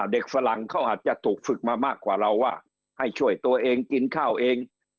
ฝรั่งเขาอาจจะถูกฝึกมามากกว่าเราว่าให้ช่วยตัวเองกินข้าวเอง